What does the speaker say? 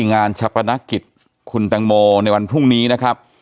งานชะปนกิจคุณแตงโมในวันพรุ่งนี้นะครับ